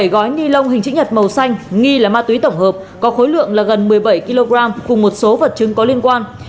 bảy gói ni lông hình chữ nhật màu xanh nghi là ma túy tổng hợp có khối lượng là gần một mươi bảy kg cùng một số vật chứng có liên quan